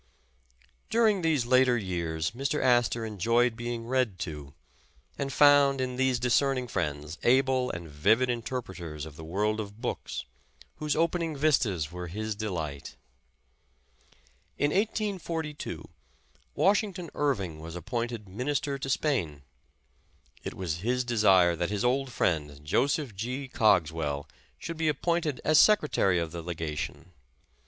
During these later years Mr. Astor enjoyed being read to, and found in these discerning friends able and vivid interpreters of the world of books, whose opening vistas were his delight. In 1842 Washington Irving was appointed minister 296 The Astor Library to Spain. It was his desire that his old friend, Joseph G. Cogswell, should be appointed as secretary of the legation.